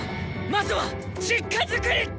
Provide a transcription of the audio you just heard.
まずは実家づくり！